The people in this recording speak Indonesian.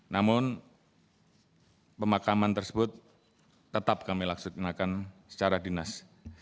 namun pemakaman tersebut tetap kami laksanakan secara dinas